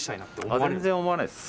全然思わないです。